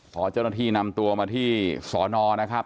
พอเจ้าหน้าที่นำตัวมาที่สอนอนะครับ